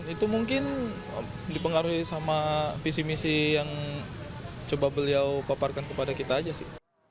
itu mungkin dipengaruhi sama visi misi yang coba beliau paparkan kepada kita aja sih